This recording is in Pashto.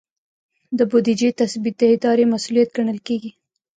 د بودیجې تثبیت د ادارې مسؤلیت ګڼل کیږي.